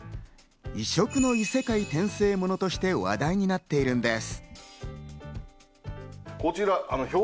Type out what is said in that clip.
異色の異世界転生モノとして話題になっているんです。